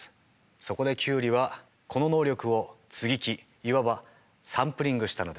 そこでキュウリはこの能力を接ぎ木いわばサンプリングしたのです。